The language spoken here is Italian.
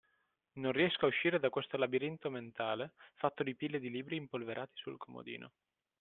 Non riesco a uscire da questo labirinto mentale, fatto di pile di libri impolverati sul comodino.